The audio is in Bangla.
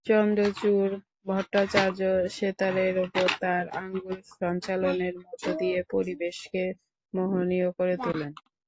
চন্দ্রচূড় ভট্টাচার্য সেতারের ওপর তাঁর আঙুল সঞ্চালনের মধ্যদিয়ে পরিবেশকে মোহনীয় করে তোলেন।